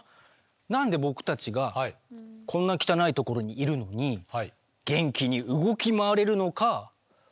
何で僕たちがこんな汚いところにいるのに元気に動き回れるのか不思議に思わないＧか？